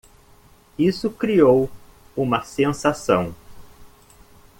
Isso criou uma sensação!